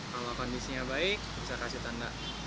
kalau kondisinya baik bisa kasih tanda